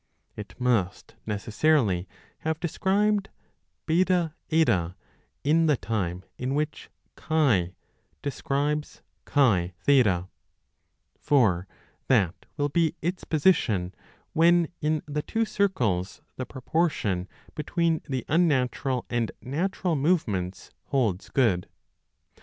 It must necessarily have described BH in the time in which X describes X0 ; for that will be its position when in the two circles the proportion between the un natural and natural movements holds good.